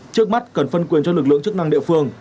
trước mắt cần phân quyền cho lực lượng chức năng địa phương